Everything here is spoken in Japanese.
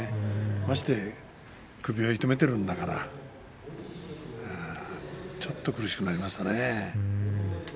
まして、首を痛めているんだからちょっと苦しくなりましたね。